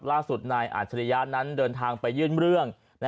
ล่าสุดนายอาจริยะนั้นเดินทางไปยื่นเรื่อง